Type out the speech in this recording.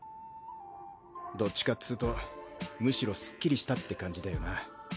どっちかっつうとむしろすっきりしたって感じだよな。